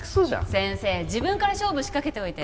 先生自分から勝負しかけておいて